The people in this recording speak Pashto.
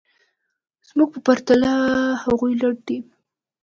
زموږ په پرتله هغوی لټ دي